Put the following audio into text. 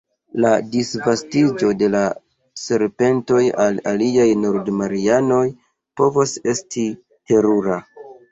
La disvastiĝo de la serpentoj al aliaj Nord-Marianoj povos esti terura.